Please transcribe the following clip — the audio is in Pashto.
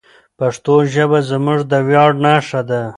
پښتو ژبه زموږ د ویاړ نښه ده.